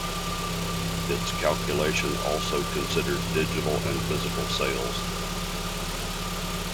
Its calculation also considered digital and physical sales.